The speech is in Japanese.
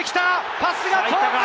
パスが通った！